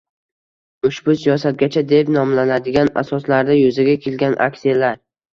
Ushbu “siyosatgacha” deb nomlanadigan asoslarda yuzaga kelgan aksiyalar